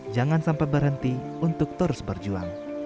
jangan sampai berhenti untuk terus berjuang